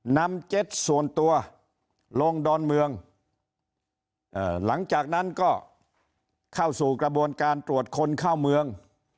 เจ็ตส่วนตัวลงดอนเมืองหลังจากนั้นก็เข้าสู่กระบวนการตรวจคนเข้าเมือง